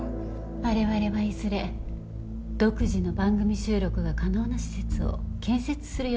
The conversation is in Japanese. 我々はいずれ独自の番組収録が可能な施設を建設する予定です。